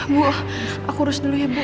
bu aku urus dulu ya bu